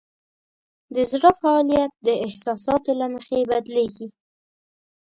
د زړه فعالیت د احساساتو له مخې بدلېږي.